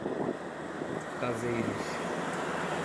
Caseiros